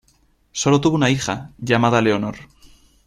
Solo tuvo una hija, llamada Leonor.